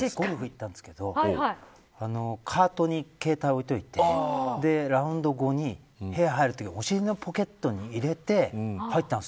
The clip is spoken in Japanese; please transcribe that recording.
ゴルフ行ったんですけどカートに携帯を置いといてラウンド後に部屋に入るときにお尻のポケットに入れて入ったんです。